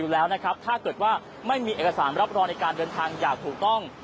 อยู่แล้วนะครับถ้าเกิดว่าไม่มีเอกสารรับรองในการเดินทางอย่างถูกต้อง